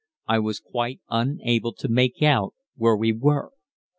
I was quite unable to make out where we were.